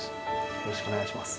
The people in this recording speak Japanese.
よろしくお願いします。